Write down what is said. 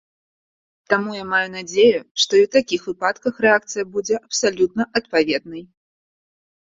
Таму я маю надзею, што і ў такіх выпадках рэакцыя будзе абсалютна адпаведнай.